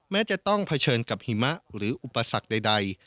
แม้จะต้องเผชิญกับหิมะหรืออุปสรรคใด